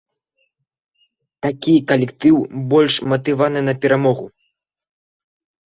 Такі калектыў больш матываваны на перамогу.